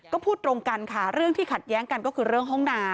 ก็พูดตรงกันค่ะเรื่องที่ขัดแย้งกันก็คือเรื่องห้องนา